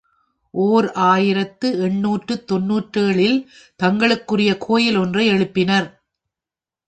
ஓர் ஆயிரத்து எண்ணூற்று தொன்னூற்றேழு இல் தங்களுக்குரிய கோயில் ஒன்றை எழுப்பினர்.